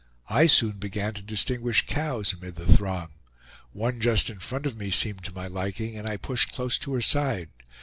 I soon began to distinguish cows amid the throng. One just in front of me seemed to my liking, and I pushed close to her side.